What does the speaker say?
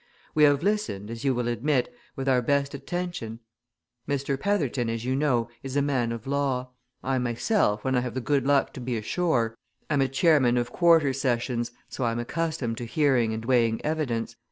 "We have listened, as you will admit, with our best attention. Mr. Petherton, as you know, is a man of law; I myself, when I have the good luck to be ashore, am a Chairman of Quarter Sessions, so I'm accustomed to hearing and weighing evidence.